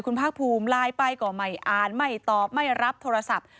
คุณภาคภูมิไลน์ไปก็ไม่อ่านไม่ตอบไม่รับโทรศัพท์